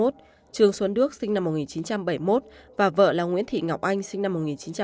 trương xuân đức sinh năm một nghìn chín trăm bảy mươi một và vợ là nguyễn thị ngọc anh sinh năm một nghìn chín trăm bảy mươi chín